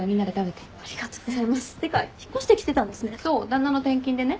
旦那の転勤でね。